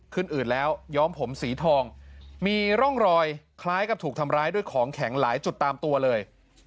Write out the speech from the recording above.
อื่นแล้วย้อมผมสีทองมีร่องรอยคล้ายกับถูกทำร้ายด้วยของแข็งหลายจุดตามตัวเลย